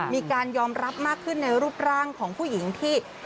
มีการยอมรับมากขึ้นในรูปร่างของผู้หญิงที่